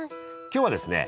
今日はですね